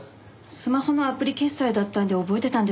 スマホのアプリ決済だったんで覚えてたんです。